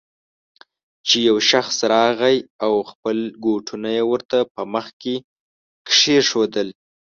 چې يو شخص راغی او خپل بوټونه يې ورته په مخ کې کېښودل.